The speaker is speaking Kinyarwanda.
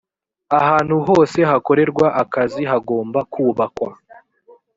ahantu hose hakorerwa akazi hagomba kubakwa